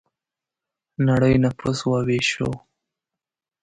نړۍ نفوس وویشو.